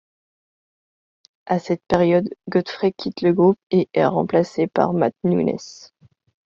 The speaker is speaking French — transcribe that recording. À cette période, Godfrey quitte le groupe et est remplacé par Matt Nunes.